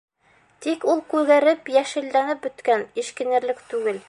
Тик ул күгәреп-йәшелләнеп бөткән, эшкинерлек түгел.